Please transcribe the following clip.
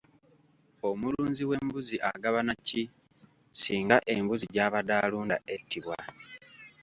Omulunzi w'embuzi agabana ki singa embuzi gy'abadde alunda ettibwa?